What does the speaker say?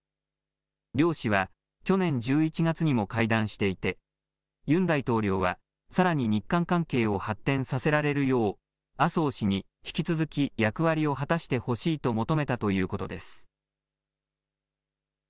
両氏は去年１１月にも会談していてユン大統領はさらに日韓関係を発展させられるよう麻生氏に引き続き役割を果たしてほしいと求めたということです。